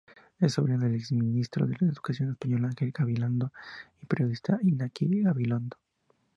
Es sobrina del exministro de Educación español Ángel Gabilondo, y del periodista Iñaki Gabilondo.